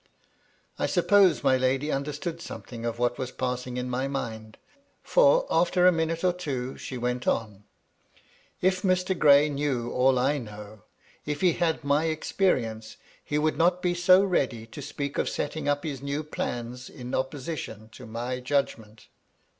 I suppose my lady understood something of what was passing in my mind ; for, after a minute or two, she went on :—" If Mr. Gray knew all I know, — if he had my ex perience, he would not be so ready to speak of setting up his new plans in opposition to my judgment.